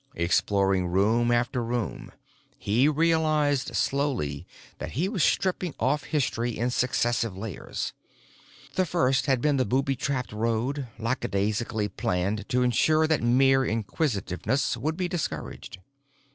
Exploring room after room, he realized slowly that he was stripping off history in successive layers. The first had been the booby trapped road, lackadaisically planned to ensure that mere inquisitiveness would be discouraged.